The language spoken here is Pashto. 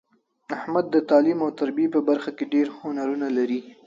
احمد د تعلیم او تربیې په برخه کې ډېر هنرونه لري.